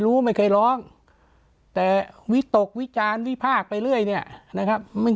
ไม่เคยร้องแต่วิตกวิจารณ์วิพากษ์ไปเรื่อยเนี่ยนะครับไม่